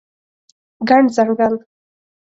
ګڼ ځنګل